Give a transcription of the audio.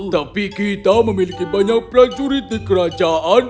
tapi kita memiliki banyak prajurit di kerajaan